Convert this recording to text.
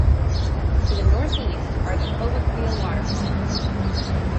To the north-east are the Povokvil Waterfalls.